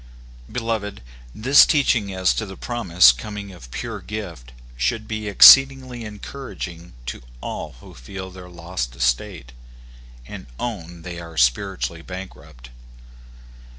Beloved, this teaching as to the promise coming of pure gift should be exceedingly encouraging to all who feel their lost estate, and own that they are spiritually bankrupt.